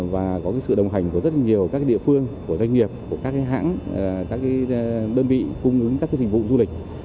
và có sự đồng hành của rất nhiều các địa phương của doanh nghiệp của các hãng các đơn vị cung ứng các dịch vụ du lịch